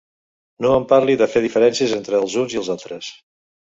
No em parli de fer diferències entre els uns i els altres.